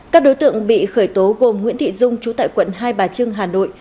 các đối tượng bị khởi tố gồm nguyễn thị dung trú tại quận hai bà trưng hà nội